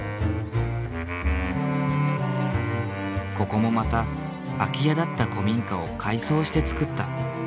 ここもまた空き家だった古民家を改装して造った。